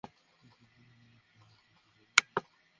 আমার জন্য যা যা করেছ, এবার সেই ঋণ খানিকটা পরিশোধ করে দেই!